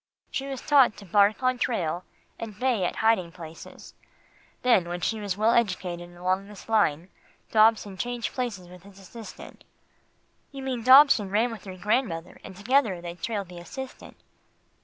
She was taught to bark on trail, and bay at hiding places. Then when she was well educated along this line, Dobson changed places with his assistant." "You mean Dobson ran with your grandmother, and together they trailed the assistant."